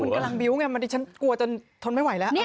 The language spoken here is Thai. ขนกำลังบิ๊วไงเหมือนเดี๋ยวฉันกลัวยจนทนไม่ไหวแล้ว